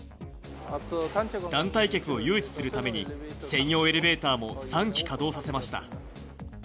団体客を誘致するために、専用エレベーターも３基稼働させました。